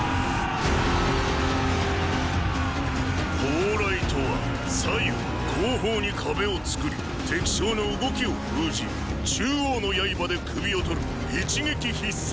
“包雷”とは左右・後方に壁を作り敵将の動きを封じ中央の刃で首を取る一撃必殺の術だ。